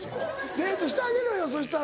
デートしてあげろよそしたら。